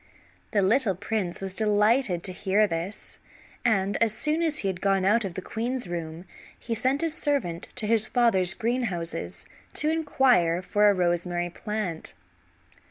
The little prince was delighted to hear this, and as soon as he had gone out of the queen's room he sent a servant to his father's greenhouses to inquire for a rosemary plant.